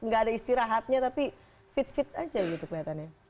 gak ada istirahatnya tapi fit fit aja gitu kelihatannya